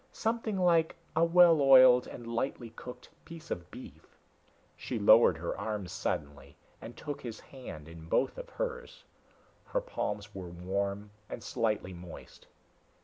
"Something like a well oiled and lightly cooked piece of beef." She lowered her arm suddenly and took his hand in both of hers. Her palms were warm and slightly moist.